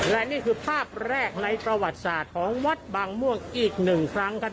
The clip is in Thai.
และนี่คือภาพแรกในประวัติศาสตร์ของวัดบางม่วงอีกหนึ่งครั้งครับ